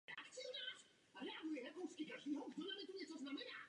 Změní ideologičtí odpůrci jaderné energie své názory?